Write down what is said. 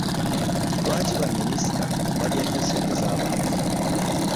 Lwaki ba minisita balya nnyo ssente z'abantu?